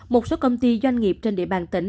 một số công ty doanh nghiệp trên địa bàn tỉnh